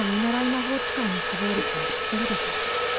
魔法使いの死亡率は知ってるでしょ？